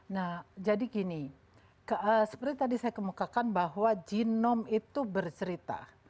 nah jadi gini seperti tadi saya kemukakan bahwa genom itu bercerita